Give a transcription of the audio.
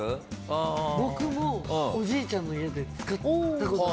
僕もおじいちゃんの家で使ったことあるんです。